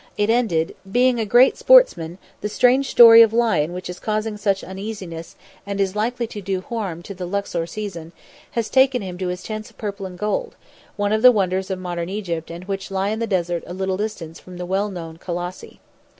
It ended: "... Being a great sportsman, the strange story of lion which is causing such uneasiness and is likely to do harm to the Luxor season, has taken him to his Tents of Purple and Gold, one of the wonders of modern Egypt and which lie in the desert a little distance from the well known Colossi."